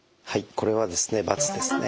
これはですね×ですね。